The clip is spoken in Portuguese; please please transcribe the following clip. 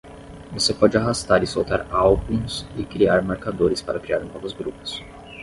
Você pode arrastar e soltar álbuns e criar marcadores para criar novos grupos.